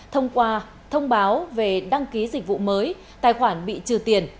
thông qua thông báo về đăng ký dịch vụ mới tài khoản bị trừ tiền